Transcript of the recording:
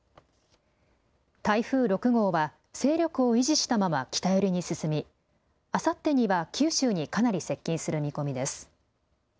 台風６号は勢力を維持したまま北寄りに進みあさってには九州にかなり接近する見込みです。